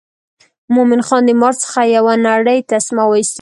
مومن خان د مار څخه یو نرۍ تسمه وایستله.